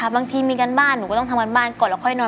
บางทีมีการบ้านหนูก็ต้องทำการบ้านก่อนแล้วค่อยนอน